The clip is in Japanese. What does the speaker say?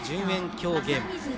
今日、ゲーム。